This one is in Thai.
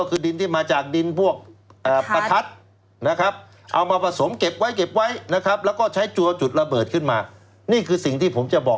กิ๊กกิ๊กกิ๊กกิ๊กกิ๊กกิ๊กกิ๊กกิ๊กกิ๊ก